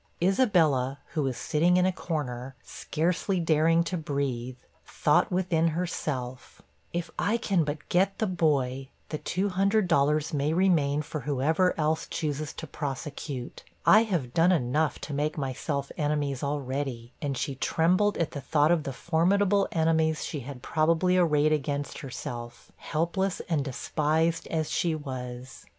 Isabella, who was sitting in a corner, scarcely daring to breathe, thought within herself, 'If I can but get the boy, the $200 may remain for whoever else chooses to prosecute I have done enough to make myself enemies already' and she trembled at the thought of the formidable enemies she had probably arrayed against herself helpless and despised as she was.